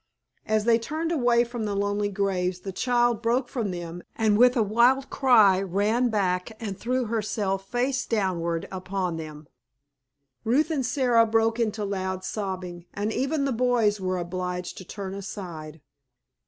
As they turned away from the lonely graves the child broke from them and with a wild cry ran back and threw herself face downward upon them. Ruth and Sara broke into loud sobbing, and even the boys were obliged to turn aside.